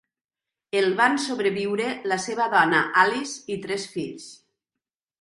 El van sobreviure la seva dona Alice i tres fills.